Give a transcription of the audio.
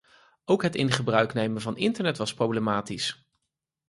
Ook het in gebruik nemen van internet was problematisch.